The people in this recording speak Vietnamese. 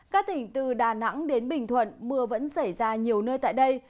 các tỉnh từ đà nẵng đến bình thuận mưa vẫn xảy ra nhiều nơi tại đây